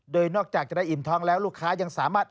โดยนอกจากจะได้อิ่มทองแล้วลูกค้ายังสามารถ